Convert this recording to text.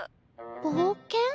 「冒険」。